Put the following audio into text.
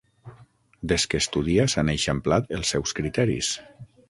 Des que estudia s'han eixamplat els seus criteris.